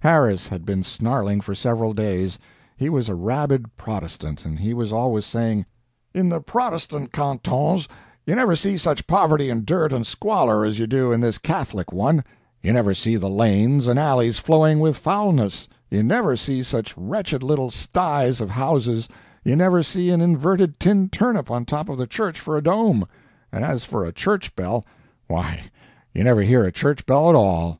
Harris had been snarling for several days. He was a rabid Protestant, and he was always saying: "In the Protestant cantons you never see such poverty and dirt and squalor as you do in this Catholic one; you never see the lanes and alleys flowing with foulness; you never see such wretched little sties of houses; you never see an inverted tin turnip on top of a church for a dome; and as for a church bell, why, you never hear a church bell at all."